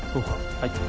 はい。